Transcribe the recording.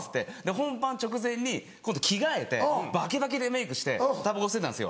本番直前に今度着替えてバキバキでメイクしてたばこ吸ってたんです